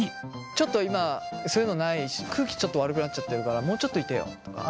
ちょっと今そういうのないし空気ちょっと悪くなっちゃってるからもうちょっといてよとか。